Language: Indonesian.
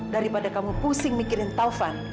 daripada kamu pusing mikirin taufan